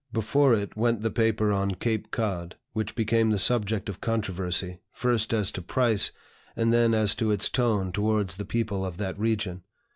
Before it went the paper on "Cape Cod," which became the subject of controversy, first as to price, and then as to its tone towards the people of that region.